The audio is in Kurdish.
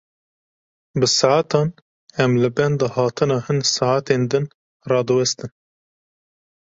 Bi saetan em li benda hatina hin saetên din radiwestin.